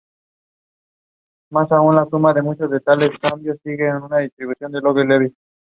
Se encuentra en Costa de Marfil, Kenia y Somalia.